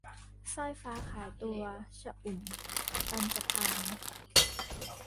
สร้อยฟ้าขายตัว - ชอุ่ม ปัญจพรรค์